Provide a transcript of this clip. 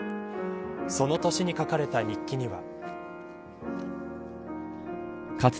その年に書かれた日記には。